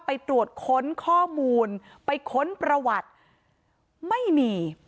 ไปตรวจค้นข้อมูลไปค้นประวัติไม่มี